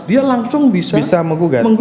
dia langsung bisa menggugat